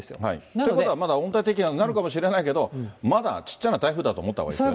ということは、まだ温帯低気圧になるかもしれないけれども、まだちっちゃな台風だと思ったほうがいいですね。